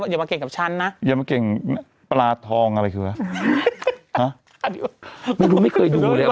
อย่ามาเก่งกับฉันนะอย่ามาเก่งปลาทองอะไรคือวะอันนี้ไม่รู้ไม่เคยดูเลย